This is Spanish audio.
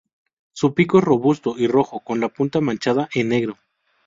Su pico es robusto y rojo, con la punta manchada en negro.